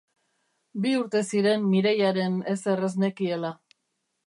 Bi urte ziren Mireiaren ezer ez nekiela.